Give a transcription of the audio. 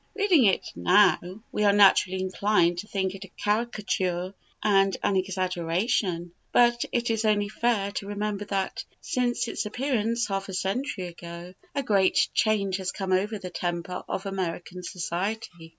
Reading it now, we are naturally inclined to think it a caricature and an exaggeration; but it is only fair to remember that, since its appearance half a century ago, a great change has come over the temper of American society.